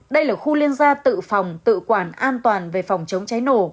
đây là khu liên gia tự phòng tự quản an toàn về phòng chống cháy nổ